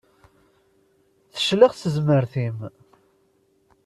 Teclex tezmert-im.